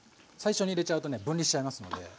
最初に入れちゃうとね分離しちゃいますので。